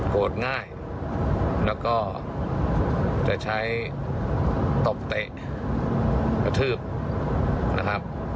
ง่ายแล้วก็จะใช้ตบเตะกระทืบนะครับ